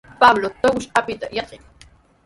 Pablo tuqush apita yatran.